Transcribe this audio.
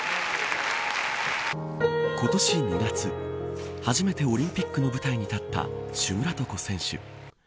今年２月、初めてオリンピックの舞台に立ったシュムラトコ選手。